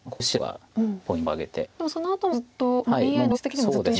そうですね